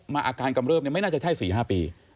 มาอาการกำเริ่มนี่ไม่น่าจะใช่๔๕ปี